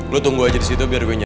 lo tunggu aja disitu biar gue nyari